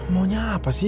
maunya apa sih